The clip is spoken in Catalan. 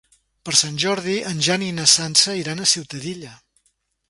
Per Sant Jordi en Jan i na Sança iran a Ciutadilla.